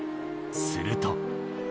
すると。